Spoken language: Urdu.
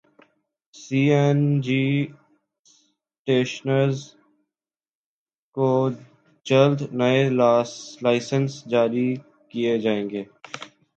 سی این جی اسٹیشنز کو جلد نئے لائسنس جاری کیے جائیں گے